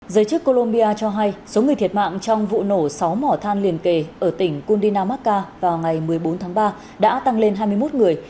giới chức colombia cho hay số người thiệt mạng trong vụ nổ sáu mỏ than liền kề ở tỉnh kundina macca vào ngày một mươi bốn tháng ba đã tăng lên hai mươi một người